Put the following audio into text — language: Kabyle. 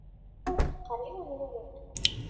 Ur d-qqar yiwen n wawal.